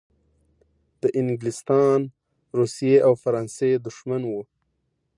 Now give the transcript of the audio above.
د انګلستان، روسیې او فرانسې دښمن وو.